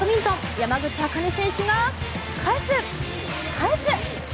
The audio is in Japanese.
山口茜選手が返す、返す！